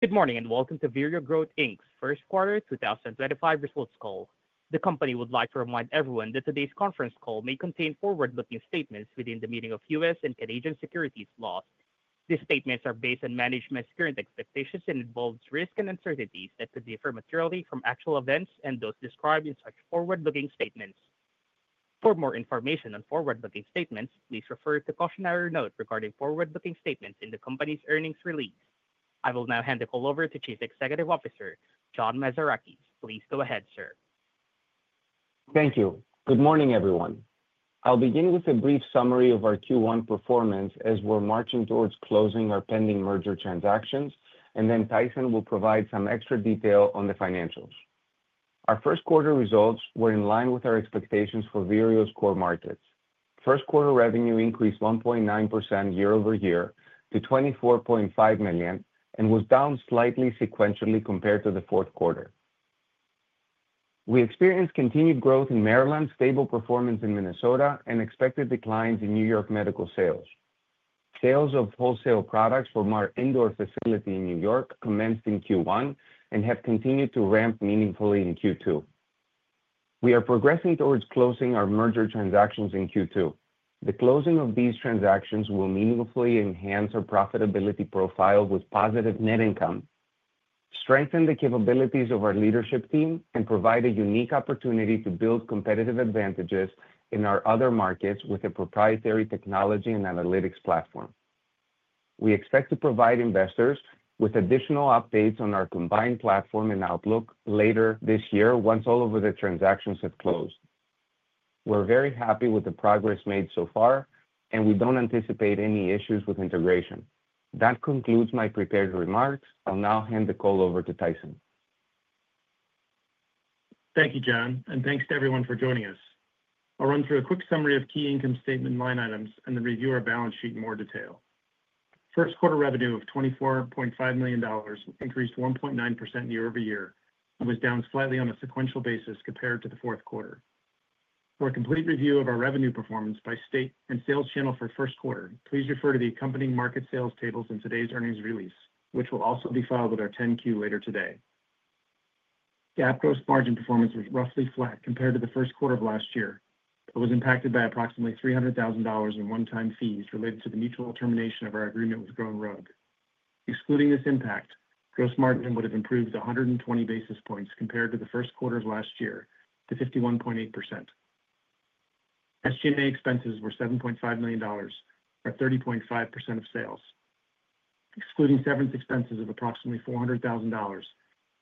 Good morning and welcome to Vireo Growth's first quarter 2025 results call. The company would like to remind everyone that today's conference call may contain forward-looking statements within the meaning of U.S. and Canadian securities laws. These statements are based on management's current expectations and involve risks and uncertainties that could differ materially from actual events and those described in such forward-looking statements. For more information on forward-looking statements, please refer to the cautionary note regarding forward-looking statements in the company's earnings release. I will now hand the call over to Chief Executive Officer, John Mazarakis. Please go ahead, sir. Thank you. Good morning, everyone. I'll begin with a brief summary of our Q1 performance as we're marching towards closing our pending merger transactions, and then Tyson will provide some extra detail on the financials. Our first quarter results were in line with our expectations for Vireo's core markets. First quarter revenue increased 1.9% year over year to $24.5 million and was down slightly sequentially compared to the fourth quarter. We experienced continued growth in Maryland, stable performance in Minnesota, and expected declines in New York medical sales. Sales of wholesale products for our indoor facility in New York commenced in Q1 and have continued to ramp meaningfully in Q2. We are progressing towards closing our merger transactions in Q2. The closing of these transactions will meaningfully enhance our profitability profile with positive net income, strengthen the capabilities of our leadership team, and provide a unique opportunity to build competitive advantages in our other markets with a proprietary technology and analytics platform. We expect to provide investors with additional updates on our combined platform and outlook later this year once all of the transactions have closed. We're very happy with the progress made so far, and we don't anticipate any issues with integration. That concludes my prepared remarks. I'll now hand the call over to Tyson. Thank you, John, and thanks to everyone for joining us. I'll run through a quick summary of key income statement line items and then review our balance sheet in more detail. First quarter revenue of $24.5 million increased 1.9% year over year and was down slightly on a sequential basis compared to the fourth quarter. For a complete review of our revenue performance by state and sales channel for first quarter, please refer to the accompanying market sales tables in today's earnings release, which will also be filed with our 10Q later today. GAAP gross margin performance was roughly flat compared to the first quarter of last year, but was impacted by approximately $300,000 in one-time fees related to the mutual termination of our agreement with Grown Rogue. Excluding this impact, gross margin would have improved 120 basis points compared to the first quarter of last year to 51.8%. SG&A expenses were $7.5 million, or 30.5% of sales. Excluding severance expenses of approximately $400,000,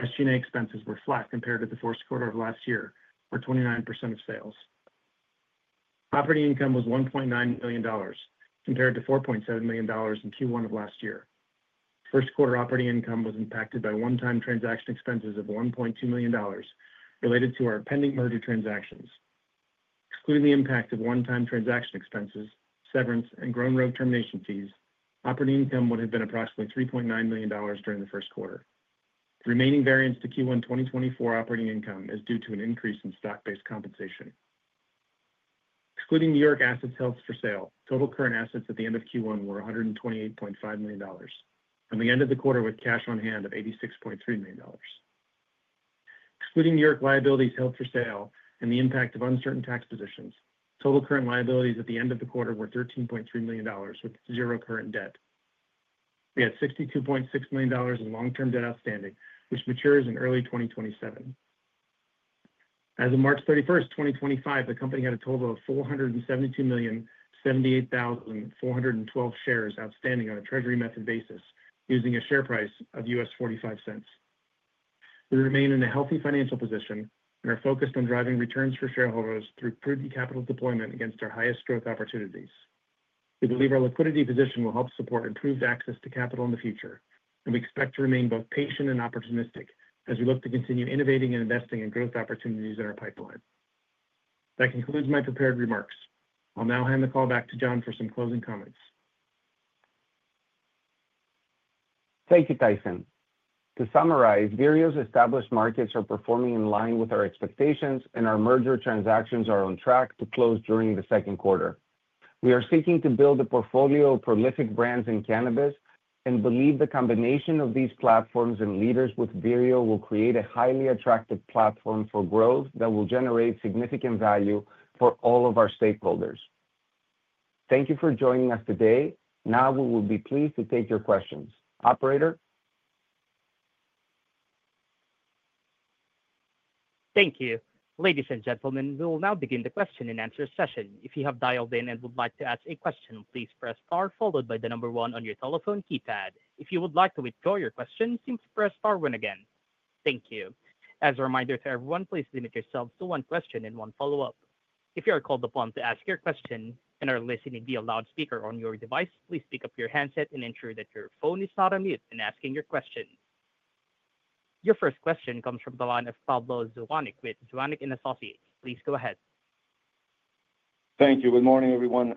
SG&A expenses were flat compared to the first quarter of last year, or 29% of sales. Operating income was $1.9 million compared to $4.7 million in Q1 of last year. First quarter operating income was impacted by one-time transaction expenses of $1.2 million related to our pending merger transactions. Excluding the impact of one-time transaction expenses, severance, and Grown Rogue termination fees, operating income would have been approximately $3.9 million during the first quarter. The remaining variance to Q1 2024 operating income is due to an increase in stock-based compensation. Excluding New York assets held for sale, total current assets at the end of Q1 were $128.5 million, and we ended the quarter with cash on hand of $86.3 million. Excluding New York liabilities held for sale and the impact of uncertain tax positions, total current liabilities at the end of the quarter were $13.3 million with zero current debt. We had $62.6 million in long-term debt outstanding, which matures in early 2027. As of March 31, 2025, the company had a total of 472,078,412 shares outstanding on a treasury method basis using a share price of $0.45. We remain in a healthy financial position and are focused on driving returns for shareholders through prudent capital deployment against our highest growth opportunities. We believe our liquidity position will help support improved access to capital in the future, and we expect to remain both patient and opportunistic as we look to continue innovating and investing in growth opportunities in our pipeline. That concludes my prepared remarks. I'll now hand the call back to John for some closing comments. Thank you, Tyson. To summarize, Vireo's established markets are performing in line with our expectations, and our merger transactions are on track to close during the second quarter. We are seeking to build a portfolio of prolific brands in cannabis and believe the combination of these platforms and leaders with Vireo will create a highly attractive platform for growth that will generate significant value for all of our stakeholders. Thank you for joining us today. Now we will be pleased to take your questions. Operator? Thank you. Ladies and gentlemen, we will now begin the question and answer session. If you have dialed in and would like to ask a question, please press star followed by the number one on your telephone keypad. If you would like to withdraw your question, simply press star one again. Thank you. As a reminder to everyone, please limit yourselves to one question and one follow-up. If you are called upon to ask your question and are listening via loudspeaker on your device, please pick up your handset and ensure that your phone is not on mute when asking your question. Your first question comes from the line of Pablo Zuanic with Zuanic & Associates. Please go ahead. Thank you. Good morning, everyone.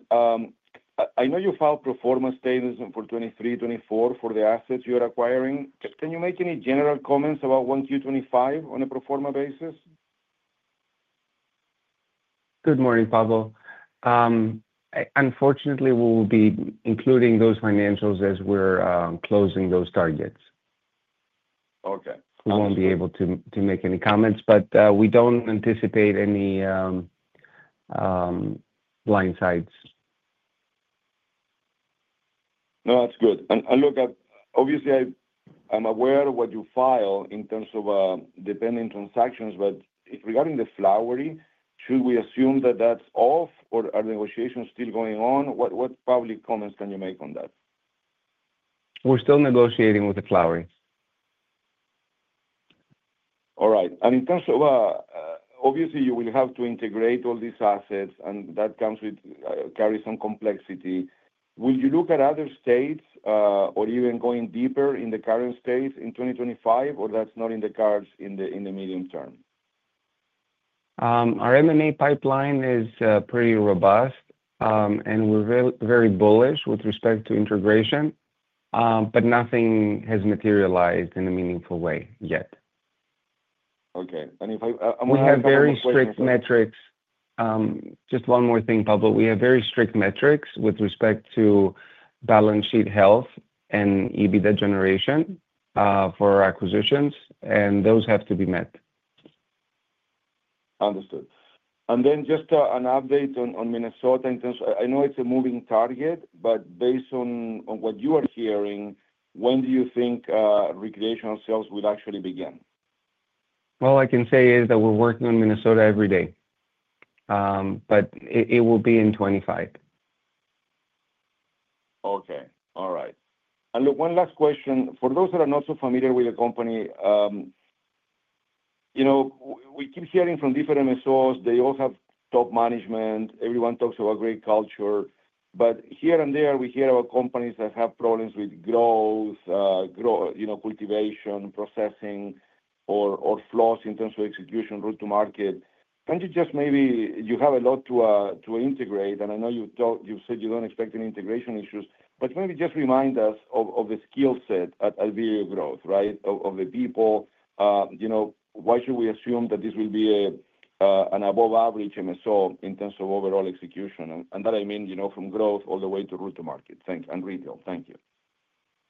I know you filed pro forma statements for 2023, 2024 for the assets you are acquiring. Can you make any general comments about 1Q 2025 on a pro forma basis? Good morning, Pablo. Unfortunately, we will be including those financials as we're closing those targets. Okay. We won't be able to make any comments, but we don't anticipate any blind sides. No, that's good. Look, obviously, I'm aware of what you file in terms of the pending transactions, but regarding The Flowery, should we assume that that's off or are the negotiations still going on? What public comments can you make on that? We're still negotiating with The Flowery. All right. In terms of, obviously, you will have to integrate all these assets, and that comes with carry some complexity. Will you look at other states or even going deeper in the current states in 2025, or that's not in the cards in the medium term? Our M&A pipeline is pretty robust, and we're very bullish with respect to integration, but nothing has materialized in a meaningful way yet. you think that might happen? We have very strict metrics. Just one more thing, Pablo. We have very strict metrics with respect to balance sheet health and EBITDA generation for our acquisitions, and those have to be met. Understood. And then just an update on Minnesota in terms of I know it's a moving target, but based on what you are hearing, when do you think recreational sales will actually begin? All I can say is that we're working on Minnesota every day, but it will be in 2025. Okay. All right. One last question. For those that are not so familiar with the company, we keep hearing from different Minnesotas. They all have top management. Everyone talks about great culture. Here and there, we hear about companies that have problems with growth, cultivation, processing, or flows in terms of execution, route to market. Can you just maybe you have a lot to integrate, and I know you said you do not expect any integration issues, but maybe just remind us of the skill set at Vireo Growth, right, of the people. Why should we assume that this will be an above-average MSO in terms of overall execution? That means from growth all the way to route to market. Thank you. And retail. Thank you.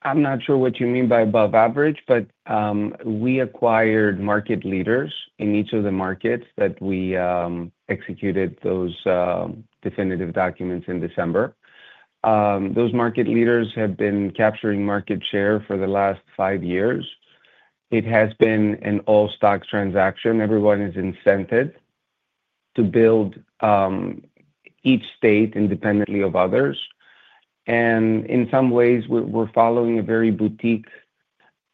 I'm not sure what you mean by above average, but we acquired market leaders in each of the markets that we executed those definitive documents in December. Those market leaders have been capturing market share for the last five years. It has been an all-stock transaction. Everyone is incented to build each state independently of others. In some ways, we're following a very boutique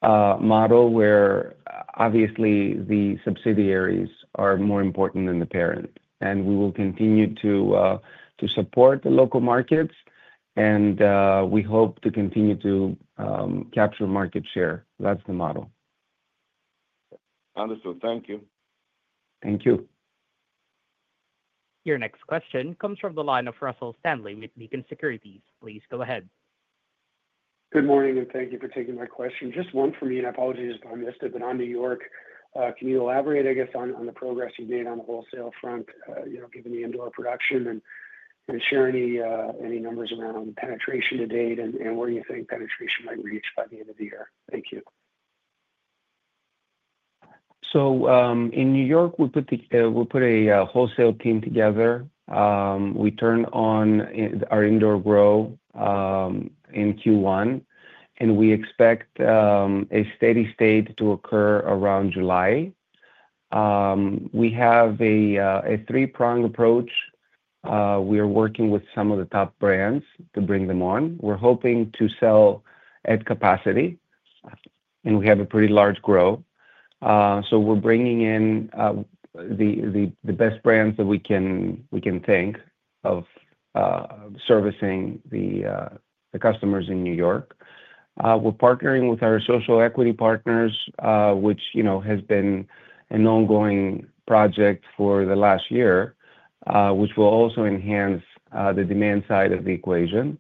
model where obviously the subsidiaries are more important than the parent. We will continue to support the local markets, and we hope to continue to capture market share. That's the model. Understood. Thank you. Thank you. Your next question comes from the line of Russell Stanley with Beacon Securities. Please go ahead. Good morning, and thank you for taking my question. Just one for me, and apologies if I missed it, but on New York, can you elaborate, I guess, on the progress you've made on the wholesale front, given the indoor production, and share any numbers around penetration to date, and where you think penetration might reach by the end of the year? Thank you. In New York, we put a wholesale team together. We turned on our indoor grow in Q1, and we expect a steady state to occur around July. We have a three-prong approach. We are working with some of the top brands to bring them on. We are hoping to sell at capacity, and we have a pretty large growth. We are bringing in the best brands that we can think of servicing the customers in New York. We are partnering with our social equity partners, which has been an ongoing project for the last year, which will also enhance the demand side of the equation.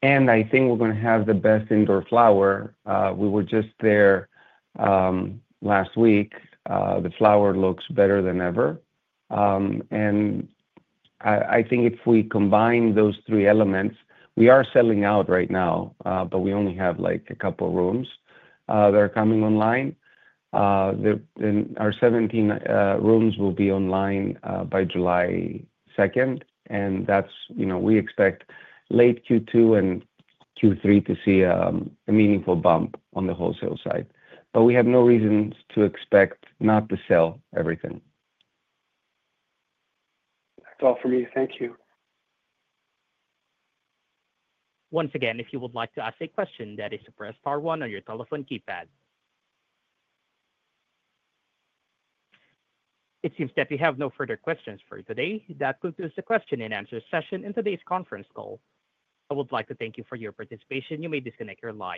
I think we are going to have the best indoor flower. We were just there last week. The flower looks better than ever. I think if we combine those three elements, we are selling out right now, but we only have a couple of rooms that are coming online. Our 17 rooms will be online by July 2, and we expect late Q2 and Q3 to see a meaningful bump on the wholesale side. We have no reason to expect not to sell everything. That's all for me. Thank you. Once again, if you would like to ask a question, that is to press star one on your telephone keypad. It seems that we have no further questions for you today. That concludes the question and answer session in today's conference call. I would like to thank you for your participation. You may disconnect your line.